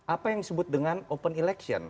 apa yang disebut dengan open election